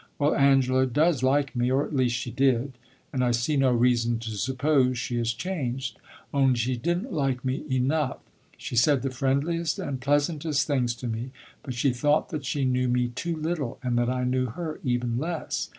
Well, Angela does like me or at least she did and I see no reason to suppose she has changed. Only she did n't like me enough. She said the friendliest and pleasantest things to me, but she thought that she knew me too little, and that I knew her even less.